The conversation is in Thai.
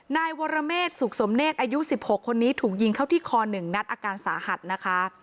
นายวรเมษสุขสมเนธอายุ๑๖คนนี้ถูกยิงเข้าที่คอ๑นัดอาการสาหัสนะคะ